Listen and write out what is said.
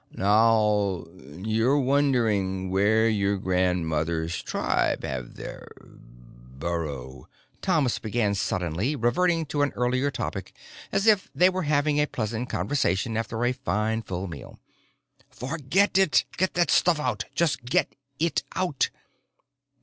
"Now you're wondering where your grandmother's tribe have their burrow," Thomas began suddenly, reverting to an earlier topic as if they were having a pleasant conversation after a fine, full meal. "Forget it! Get that stuff out. Just get it out!"